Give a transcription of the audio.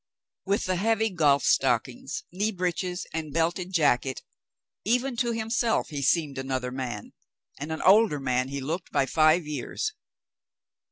With the heavy golf stockings, knee breeches, and belted jacket, even to himself he seemed another man, and an older man he looked by five years.